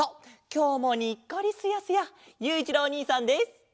きょうもにっこりスヤスヤゆういちろうおにいさんです！